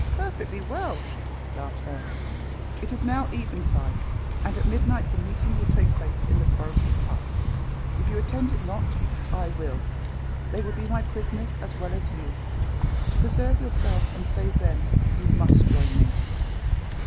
"Perfectly well," laughed Herne. "It is now eventide, and at midnight the meeting will take place in the forester's hut. If you attend it not, I will. They will be my prisoners as well as you. To preserve yourself and save them, you must join me."